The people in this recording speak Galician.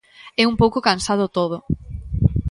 É un pouco cansado todo.